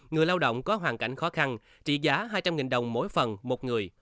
người lao động có hoàn cảnh khó khăn trị giá hai trăm linh đồng mỗi phần một người